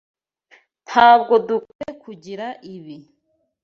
Ntabwo dukwiye kugira ibi.